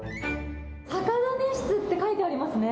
酒種室って書いてありますね。